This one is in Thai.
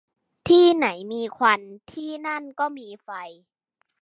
ที่ไหนมีควันที่นั่นก็มีไฟ